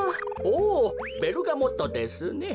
おおベルガモットですね。